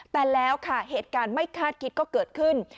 แต่แล้วค่ะเหตุการณ์ไม่คาดคิดก็เกิดขึ้น